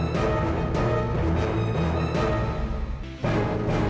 susrat apaan sih